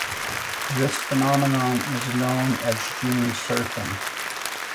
This phenomenon is known as gene surfing.